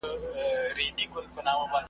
هغه ډنډ دی له دې ښار څخه دباندي `